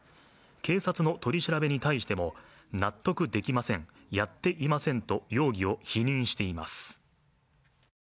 警察の取り調べに対しても、納得できません、やっていませんと容疑を否認しています。